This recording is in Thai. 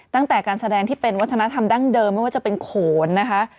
ตั้งแต่การแสดงที่เป็นวัฒนธรรมดั้งเดิมไม่ว่าจะเป็นโขนนะคะ